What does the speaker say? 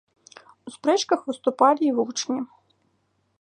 У спрэчках выступалі й вучні.